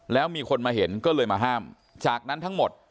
แล้วมีคนมาเห็นก็เลยมาห้ามจากนั้นทั้งหมด